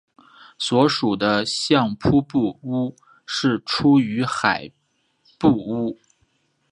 所属的相扑部屋是出羽海部屋。